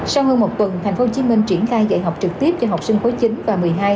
sau hơn một tuần tp hcm triển khai dạy học trực tiếp cho học sinh khối chín và một mươi hai